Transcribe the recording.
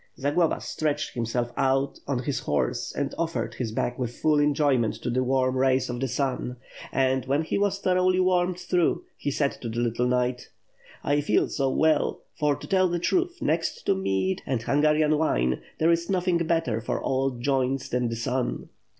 Zagloba stretched himself out on his horse and offered his back with full enjoyment to the warm rays of the sun; and, when he was thoroughly warmed through, he said to the little knight: "I feel 80 well; for to tell the truth, next to mead and Hungarian wine, there is nothing better for old joints, than the 8un.'